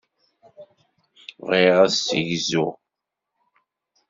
Bɣiɣ ad d-ssegzuɣ.